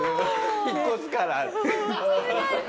引っ越すから。